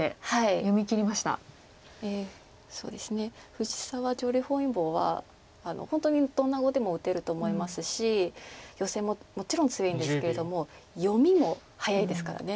藤沢女流本因坊は本当にどんな碁でも打てると思いますしヨセももちろん強いんですけれども読みも早いですから。